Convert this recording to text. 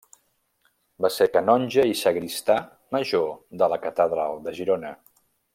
Va ser canonge i sagristà major de la catedral de Girona.